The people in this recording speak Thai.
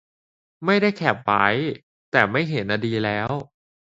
ไม่ได้แคปไว้ แต่ไม่เห็นอะดีแล้ว